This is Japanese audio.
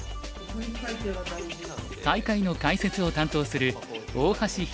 大会の解説を担当する大橋拓